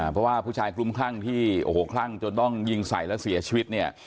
เพราะว่าผู้ชายคลุมคลั่งที่โอ้โหคลั่งจนต้องยิงใส่แล้วเสียชีวิตเนี่ย